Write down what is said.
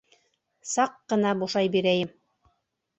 Саҡ ҡына бушай бирәйем.